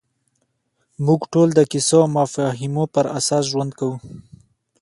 موږ ټول د کیسو او مفاهیمو پر اساس ژوند کوو.